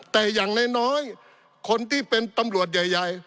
แต่อย่างน้อยคนที่เป็นตำรวจใหญ่